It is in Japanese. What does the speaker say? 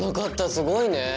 すごいね！